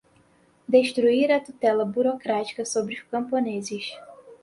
destruir a tutela burocrática sobre os camponeses